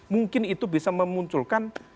mungkin itu bisa memunculkan